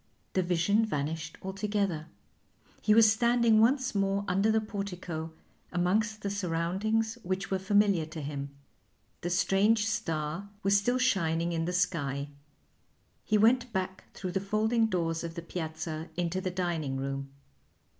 The vision vanished altogether; he was standing once more under the portico amongst the surroundings which were familiar to him. The strange star was still shining in the sky. He went back through the folding doors of the piazza into the dining room.